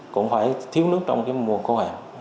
cũng phải thiếu nước trong mùa khổ hạn